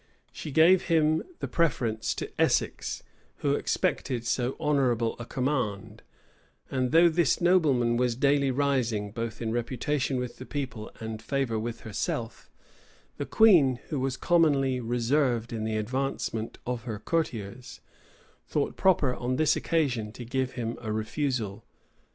She gave him the preference to Essex, who expected so honorable a command; and though this nobleman was daily rising, both in reputation with the people, and favor with herself, the queen, who was commonly reserved in the advancement of her courtiers, thought proper on this occasion to give him a refusal.